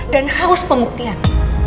dan haus pembuktian